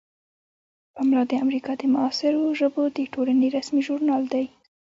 پملا د امریکا د معاصرو ژبو د ټولنې رسمي ژورنال دی.